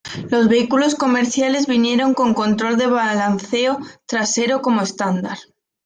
Los vehículos comerciales vinieron con control de balanceo trasero como estándar.